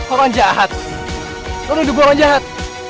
orang jahat lo ngeduguh orang jahat